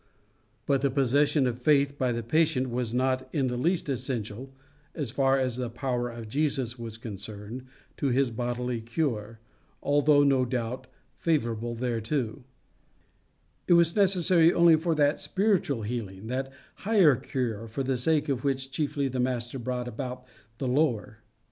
But the possession of faith by the patient was not in the least essential, as far as the power of Jesus was concerned, to his bodily cure, although no doubt favourable thereto; it was necessary only to that spiritual healing, that higher cure, for the sake of which chiefly the Master brought about the lower.